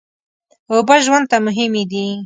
اوبه ژوند ته مهمې دي.